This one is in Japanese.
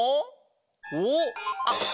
おおあっ